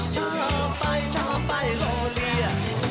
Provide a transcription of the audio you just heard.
ชอบไปชอบไปโลเวีย